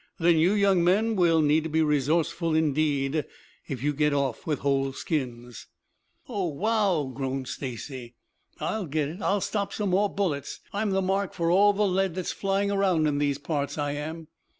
Then you young men will need to be resourceful, indeed, if you get off with whole skins." "Oh, wow!" groaned Stacy. "I'll get it! I'll stop some more bullets. I'm the mark for all the lead that's flying around in these parts, I am!"